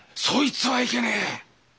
そいつはいけねえ。